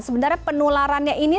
sebenarnya penularannya ini